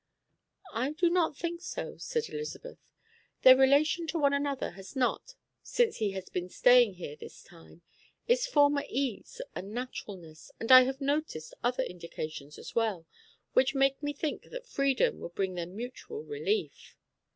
"I do not think so," said Elizabeth. "Their relation to one another has not, since he has been staying here this time, its former ease and naturalness, and I have noticed other indications as well, which make me think that freedom would bring them mutual relief."